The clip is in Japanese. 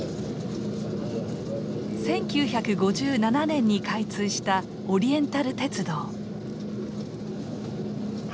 １９５７年に開通したオリエンタル鉄道。